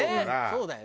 そうだよね。